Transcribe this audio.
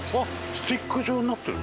スティック状になってる。